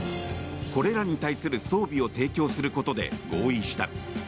これらに対する装備を提供することで合意した。